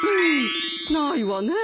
ないわねえ。